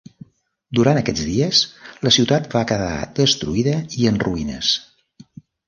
Durant aquests dies, la ciutat va quedar destruïda i en ruïnes.